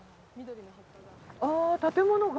あ建物が。